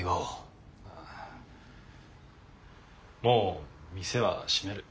もう店は閉める。